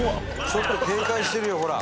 ちょっと警戒してるよほら